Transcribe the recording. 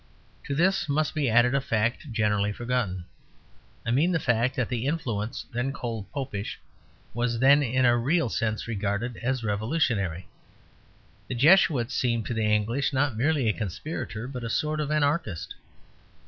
To this must be added a fact generally forgotten. I mean the fact that the influence then called Popish was then in a real sense regarded as revolutionary. The Jesuit seemed to the English not merely a conspirator but a sort of anarchist.